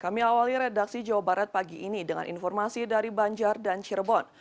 kami awali redaksi jawa barat pagi ini dengan informasi dari banjar dan cirebon